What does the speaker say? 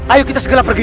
ayo kita segera pergi